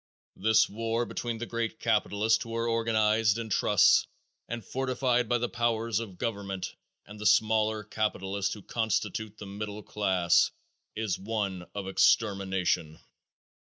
This war between the great capitalists who are organized in trusts and fortified by the powers of government and the smaller capitalists who constitute the middle class, is one of extermination.